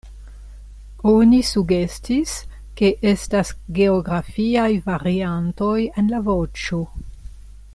Oni sugestis, ke estas geografiaj variantoj en la voĉo.